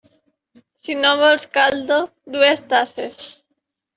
Si no vols caldo, dues tasses.